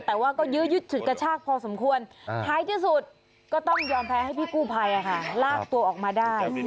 แต่ว่าก็ยื้อยุดฉุดกระชากพอสมควรท้ายที่สุดก็ต้องยอมแพ้ให้พี่กู้ภัยลากตัวออกมาได้